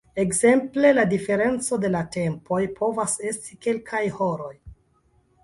Ekzemple la diferenco de la tempoj povas esti kelkaj horoj.